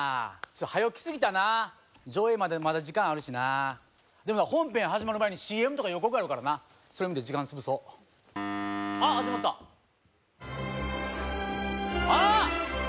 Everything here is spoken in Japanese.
早う来すぎたな上映までまだ時間あるしなでも本編始まる前にＣＭとか予告あるからなそれ見て時間潰そうあっ始まったあーっ